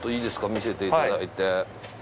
見せていただいて。